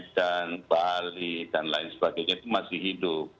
dan bali dan lain sebagainya itu masih hidup